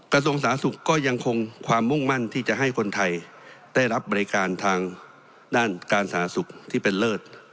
กระทรวงสาธารณสุขก็ยังคงความมุ่งมั่นที่จะให้คนไทยได้รับบริการทางด้านการสาธารณสุขที่เป็นเลิศ